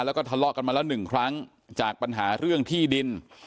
แล้วก็ทะเลาะกันมาแล้วหนึ่งครั้งจากปัญหาเรื่องที่ดิน